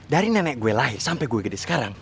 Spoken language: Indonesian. dari nenek gue lahir sampai gue gede sekarang